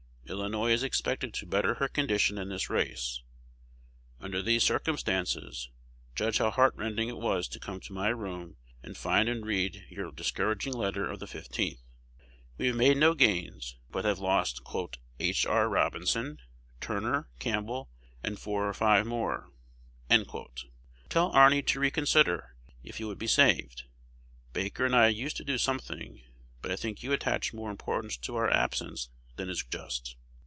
Illinois is expected to better her condition in this race. Under these circumstances, judge how heart rending it was to come to my room and find and read your discouraging letter of the 15th. We have made no gains, but have lost "H. R. Robinson, Turner, Campbell, and four or five more." Tell Arney to reconsider, if he would be saved. Baker and I used to do something, but I think you attach more importance to our absence than is just.